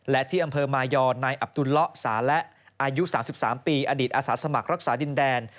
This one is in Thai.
และที่อำเภอมายอนายอับตุลเลาะสาและอายุ๓๓ปีอดีตอาสาสมัครรักษาดินแดน